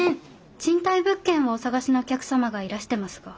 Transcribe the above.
賃貸物件をお探しのお客様がいらしてますが。